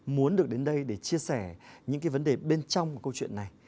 muốn được đến đây để chia sẻ những cái vấn đề bên trong câu chuyện này